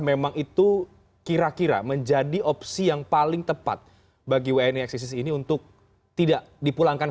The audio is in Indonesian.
memang itu kira kira menjadi opsi yang paling tepat bagi wni eksisis ini untuk tidak dipulangkan